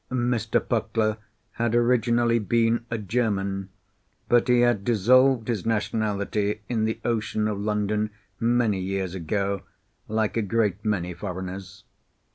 Mr. Puckler had originally been a German, but he had dissolved his nationality in the ocean of London many years ago, like a great many foreigners.